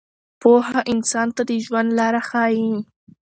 پوهه انسان ته د ژوند لاره ښیي.